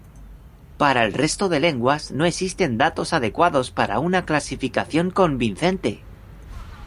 Para el resto de lenguas no existen datos adecuados para una clasificación convincente.